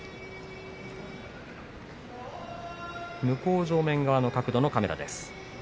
向正面側の角度のカメラです。